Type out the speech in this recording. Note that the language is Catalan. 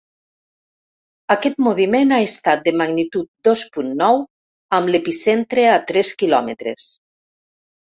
Aquest moviment ha estat de magnitud dos punt nou, amb l’epicentre a tres quilòmetres.